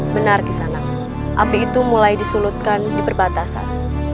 benar kisanak api itu mulai disulutkan di perbatasan